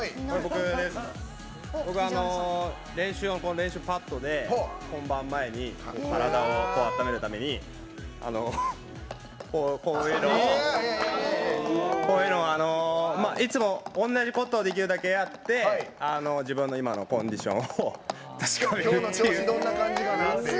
僕練習用パッドで本番前に体をあっためるためにこういうのを、いつも同じことをできるだけやって自分の今のコンディションを確かめてるっていう。